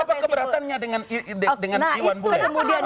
apa keberatannya dengan iwan bule